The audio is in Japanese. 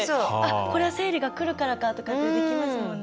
これは生理がくるからかとかってできますもんね